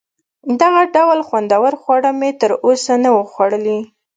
دغه ډول خوندور خواړه مې تر اوسه نه وه خوړلي.